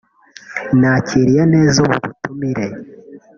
"Nakiriye neza ubu butumire